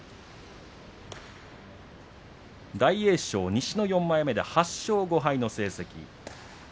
大栄翔、西の４枚目で８勝５敗の成績。